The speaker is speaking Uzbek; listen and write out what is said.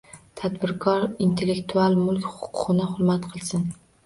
Tadbirkor intellektual mulk huquqini hurmat qilsin